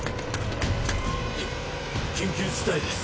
き緊急事態です。